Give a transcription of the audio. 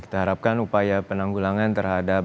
kita harapkan upaya penanggulangan terhadap